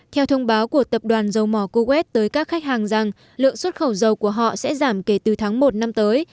theo thông báo của tập đoàn dầu mỏ kuwait tới các khách hàng rằng lượng xuất khẩu dầu của họ sẽ giảm kể từ tháng một năm tới